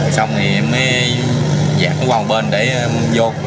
xong thì em mới dẹp nó qua một bên để em vô